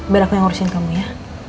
biar aku yang ngurusin kamu ya